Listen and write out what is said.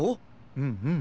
うんうん。